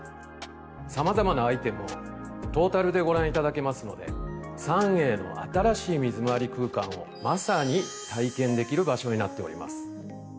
さまざまなアイテムをトータルでご覧いただけますのでＳＡＮＥＩの新しい水まわり空間をまさに体験できる場所になっております。